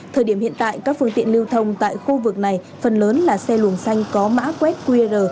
thời điểm hiện tại các phương tiện lưu thông tại khu vực này phần lớn là xe luồng xanh có mã quét qr